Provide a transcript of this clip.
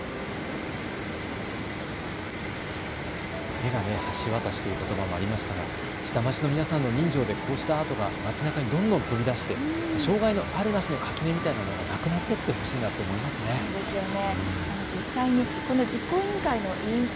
絵が橋渡しということばもありましたけれど下町の皆さんの人情でこうしたアートが街なかにどんどん飛び出して、障害のあるなしの垣根みたいなものがなくなっていってほしいですね。